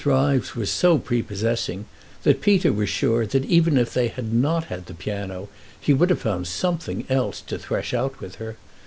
Ryves was so prepossessing that Peter was sure that even if they had not had the piano he would have found something else to thresh out with her.